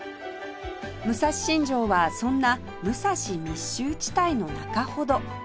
武蔵新城はそんな武蔵密集地帯の中ほど